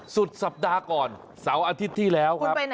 สุดสัปดาห์ก่อนเสาร์อาทิตย์ที่แล้วครับ